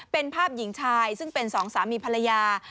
เป็นภาพหญิงชายซึ่งเป็นสองสามีภรรยา